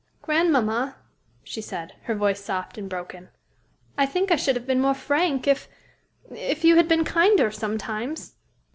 "Grandmamma," she said, her voice soft and broken, "I think I should have been more frank, if if you had been kinder sometimes."